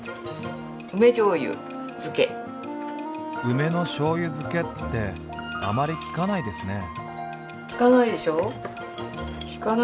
梅のしょうゆ漬けってあまり聞かないですね。